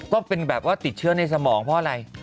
ก็เป็นแบบว่าติดเชื้อในสมองเพราะอะไร